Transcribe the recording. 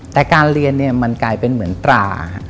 แต่การเรียนเนี่ยมันกลายเป็นเหมือนตรา